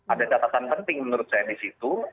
ada catatan penting menurut saya di situ